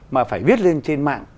mà phải viết lên trên mạng